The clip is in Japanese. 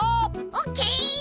オッケー！